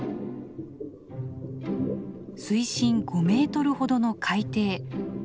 水深５メートルほどの海底。